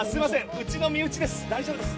うちの身内です